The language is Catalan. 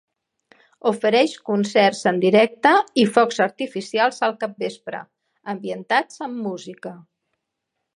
Ofereix concerts en directe i focs artificials al capvespre, ambientats amb música.